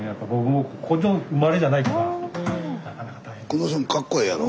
この人もかっこええやろ？